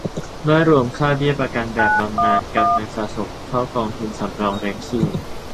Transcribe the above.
เมื่อรวมค่าเบี้ยประกันแบบบำนาญกับเงินสะสมเข้ากองทุนสำรองเลี้ยงชีพ